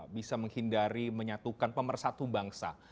bisa menghindari menyatukan pemersatu bangsa